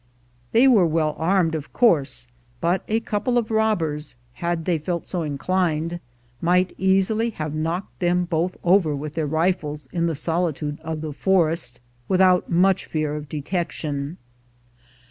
They were well armed, of course; but a couple of robbers, had they felt so inclined, might easily have knocked them both over with their rifles in the solitude of the forest, without much fear of detection.